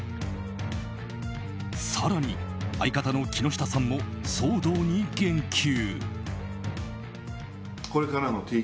更に、相方の木下さんも騒動に言及。